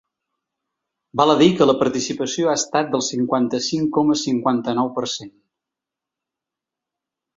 Val a dir que la participació ha estat del cinquanta-cinc coma cinquanta-nou per cent.